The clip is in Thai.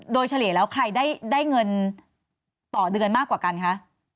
โดยเฉลี่ยแล้วใครได้เงินต่อเดือนมากกว่ากันคะ